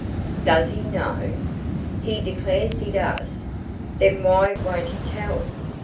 "Does he know?" "He declares he does." "Then why won't he tell?"